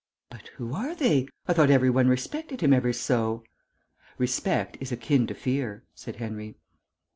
"But who are they? I thought every one respected him ever so!" "Respect is akin to fear," said Henry.